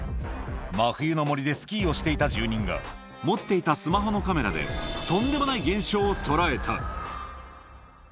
真冬の森でスキーをしていた住人が、持っていたスマホのカメラで、とんでもない現象を捉えた。